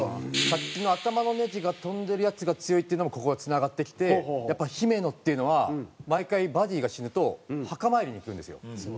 さっきの「頭のネジが飛んでるヤツが強い」っていうのもここがつながってきてやっぱ姫野っていうのは毎回バディが死ぬと墓参りに行くんですよ。